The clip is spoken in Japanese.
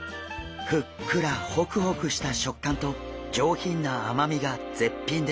ふっくらホクホクした食感と上品なあまみが絶品です。